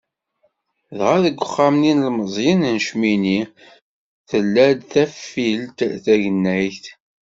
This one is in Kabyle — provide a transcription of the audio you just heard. Dɣa deg Uxxam n yilmeẓyen n Cemmini, tella-d tafilt tagnennayt.